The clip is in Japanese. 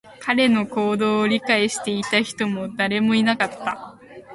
彼の行動を理解していた人も誰もいなかった